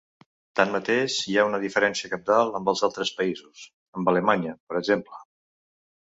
Tanmateix, hi ha una diferència cabdal amb els altres països –amb Alemanya, per exemple.